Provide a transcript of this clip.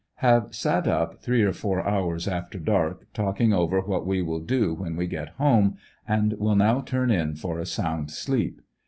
Have sat up three or four hours after dark, talking over what we will do when we get home, and will now turn in for a sound sleep.